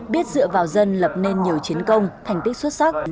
biết dựa vào dân lập nên nhiều chiến công thành tích xuất sắc